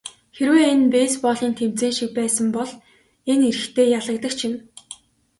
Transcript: Хэрвээ энэ бейсболын тэмцээн шиг байсан бол энэ эрэгтэй ялагдагч юм.